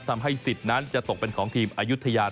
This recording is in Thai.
ทำให้สิทธิ์นั้นจะตกเป็นของทีมอายุทยา